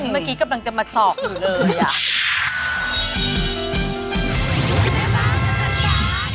เมื่อกี้กำลังจะมาสอบอยู่เลยอ่ะ